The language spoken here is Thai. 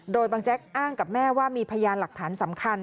โดยบังแจ๊กอ้างกับแม่ว่ามีพยานหลักฐานสำคัญ